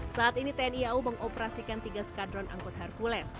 saat ini tni au mengoperasikan tiga skadron angkut hercules